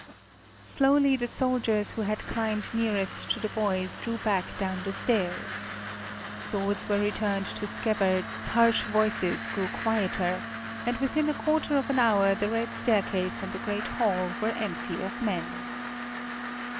Slowly the soldiers who had climbed nearest to the boys drew back down the stairs. Swords were returned to scabbards, harsh voices grew quieter, and within a quarter of an hour the Red Staircase and the great hall were empty of men.